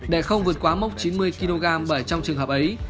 để không vượt quá mốc chín mươi kg bởi trong trường hợp ấy